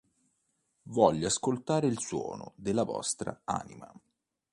Voglio ascoltare il suono della vostra anima.